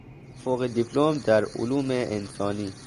فوق دیپلم در علوم انسانی